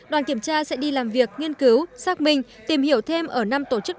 đoàn kiểm tra sẽ đi làm việc nghiên cứu xác minh tìm hiểu thêm ở năm tổ chức đảng trực thuộc